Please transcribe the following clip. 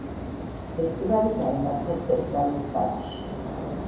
ფესტივალი გაიმართა ცენტრალ პარკში.